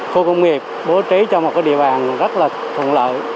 khu công nghiệp bố trí cho một địa bàn rất là thuận lợi